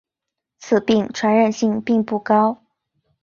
此病传染性并不高。